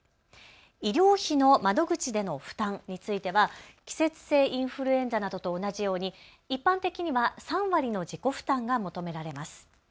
医療費の窓口での負担については季節性インフルエンザなどと同じように一般的には３割の自己負担が求められます。